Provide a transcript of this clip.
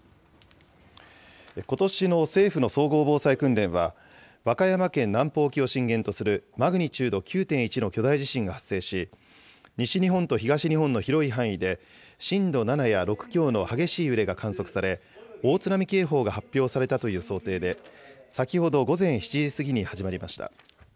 ことしの政府の総合防災訓練は、和歌山県南方沖を震源とするマグニチュード９．１の巨大地震が発生し、西日本と東日本の広い範囲で、震度７や６強の激しい揺れが観測され、大津波警報が発表されたという想定で、先ほど午前７時過ぎに始まりました。